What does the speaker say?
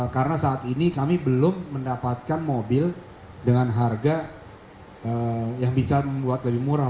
karena saat ini kami belum mendapatkan mobil dengan harga yang bisa membuat lebih murah